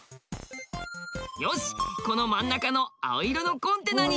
よしこの真ん中の青色のコンテナにしよう！